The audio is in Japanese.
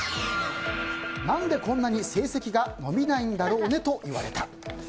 何でこんなに成績が伸びないんだろうねと言われた。